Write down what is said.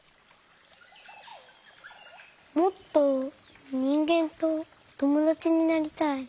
もっとにんげんとともだちになりたい。